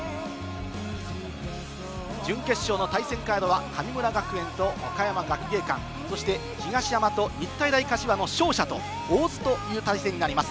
準決勝の対戦カードは神村学園と岡山学芸館、東山と日体大柏の勝者と大津という対戦になります。